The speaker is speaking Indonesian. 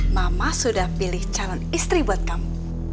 mama sudah pilih calon istri buat kamu